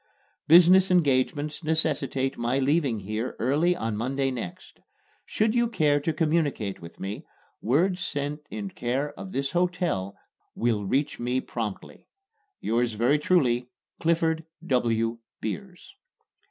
Business engagements necessitate my leaving here early on Monday next. Should you care to communicate with me, word sent in care of this hotel will reach me promptly. Yours very truly, CLIFFORD W. BEERS.